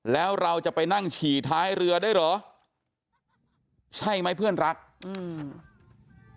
แล้วเราจะไปนั่งฉี่ท้ายเรือได้เหรอใช่ไหมเพื่อนรักอืม